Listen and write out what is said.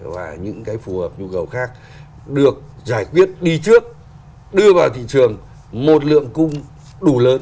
và những cái phù hợp nhu cầu khác được giải quyết đi trước đưa vào thị trường một lượng cung đủ lớn